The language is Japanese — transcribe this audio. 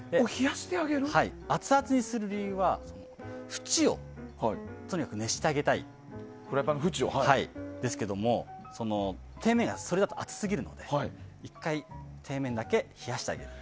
アツアツにする理由は縁をとにかく熱してあげたいんですけども底面がそれだと熱すぎるので１回、底面だけ冷やしてあげる。